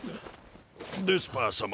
デスパー様。